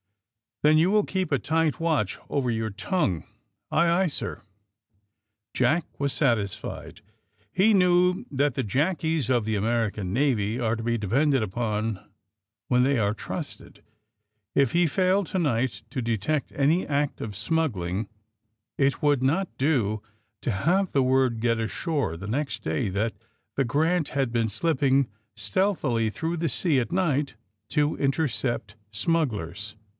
*'Then you will keep a tight watch over your tongue r' "Aye, aye, sir," Jack was satisfied. He knew that the jackies of the American Na^^ are to be depended upon when they are trusted. If he failed, to night, to detect any act of smuggling, it would not do to AND THE SMUGGLERS 201 have the word get ashore the next day that the *^ Grant ^' had been slipping stealthily through the sea at night to intercept smugglers.